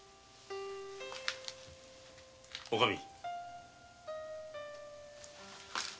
おかみ？